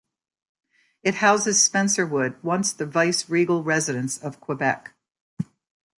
It houses Spencerwood, once the Vice regal residence of Quebec.